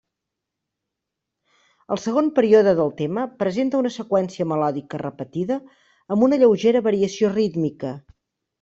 El segon període del tema presenta una seqüència melòdica repetida amb una lleugera variació rítmica.